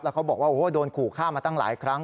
เขาบอกว่าโอ้โหโดนขู่ฆ่ามาตั้งหลายครั้ง